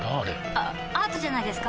あアートじゃないですか？